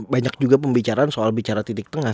banyak juga pembicaraan soal bicara titik tengah